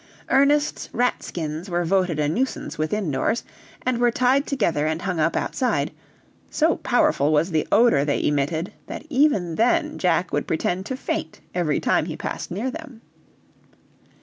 Ernest's rat skins were voted a nuisance within doors, and were tied together and hung up outside; so powerful was the odor they emitted, that even then Jack would pretend to faint every time he passed near them.